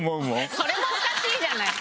それもおかしいじゃない。